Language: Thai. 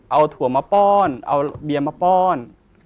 เอาถั่วมาป้อนเอาเบียร์มาป้อน